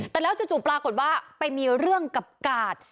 แต่แล้วจู่ปรากฏว่าไปมีเรื่องกับกาด